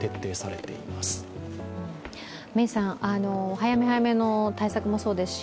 早め早めの対策もそうですし